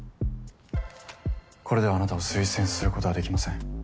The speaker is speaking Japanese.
これではあなたを推薦することはできません。